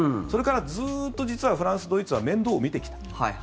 それからずっと実はフランス、ドイツは面倒を見てきた。